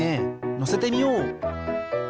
のせてみよう。